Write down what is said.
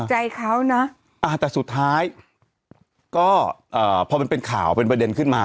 ใจเขาเนอะอ่าแต่สุดท้ายก็เอ่อพอมันเป็นข่าวเป็นประเด็นขึ้นมา